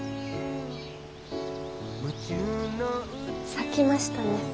咲きましたね。